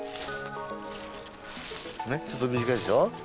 ちょっと短いでしょ？